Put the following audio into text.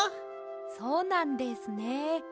そうなんですね。